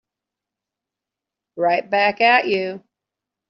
Right back at you.